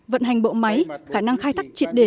vận hành bộ máy khả năng khai thác triệt đề